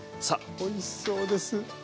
おいしそうです！